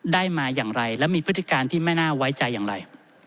ได้มาอย่างไรและมีพฤติการที่ไม่น่าไว้ใจอย่างไร